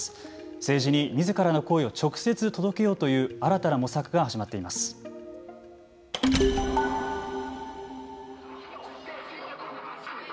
政治にみずからの声を直接届けようという新たな模索が始まっています。